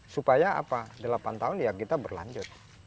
supaya apa delapan tahun ya kita berlanjut